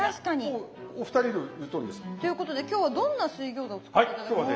もうお二人の言うとおりです。ということで今日はどんな水餃子を作って頂けますか？